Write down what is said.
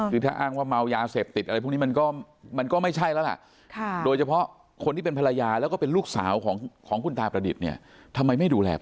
คือถ้าอ้างว่าเมายาเสพติดอะไรพวกนี้มันก็ไม่ใช่แล้วล่ะโดยเฉพาะคนที่เป็นภรรยาแล้วก็เป็นลูกสาวของคุณตาประดิษฐ์เนี่ยทำไมไม่ดูแล